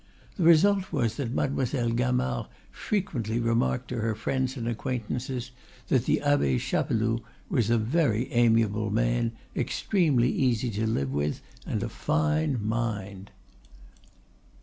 The result was that Mademoiselle Gamard frequently remarked to her friends and acquaintances that the Abbe Chapeloud was a very amiable man, extremely easy to live with, and a fine mind.